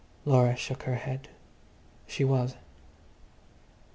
Laura shook her head. She was.